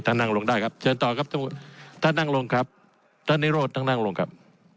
นั่งลงได้ครับเชิญต่อครับท่านนั่งลงครับท่านนิโรธท่านนั่งลงครับ